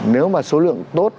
nếu mà số lượng tốt